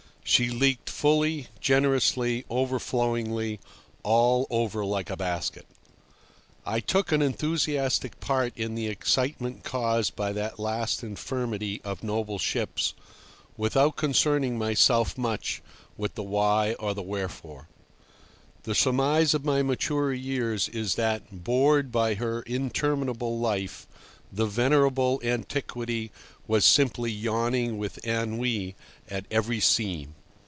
She leaked fully, generously, overflowingly, all over—like a basket. I took an enthusiastic part in the excitement caused by that last infirmity of noble ships, without concerning myself much with the why or the wherefore. The surmise of my maturer years is that, bored by her interminable life, the venerable antiquity was simply yawning with ennui at every seam.